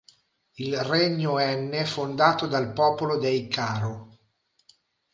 Il regno enne fondato dal popolo dei Karo.